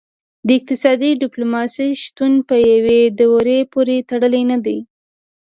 د اقتصادي ډیپلوماسي شتون په یوې دورې پورې تړلی نه دی